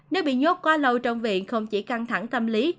nếu bị nhốt quá lâu trong viện không chỉ căng thẳng tâm lý